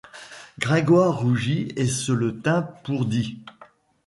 Gringoire rougit et se le tint pour dit.